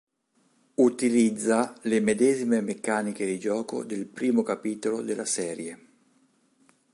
Utilizza le medesime meccaniche di gioco del primo capitolo della serie.